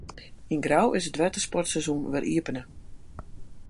Yn Grou is it wettersportseizoen wer iepene.